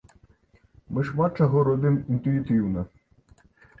Мы шмат чаго робім інтуітыўна!